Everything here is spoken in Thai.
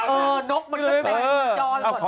เออนกมันก็เต็มจอดก่อน